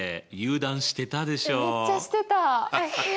めっちゃしてた！